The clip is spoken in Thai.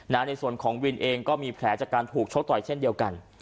ในส่วนของวินเองก็มีแผลจากการถูกชกต่อยเช่นเดียวกัน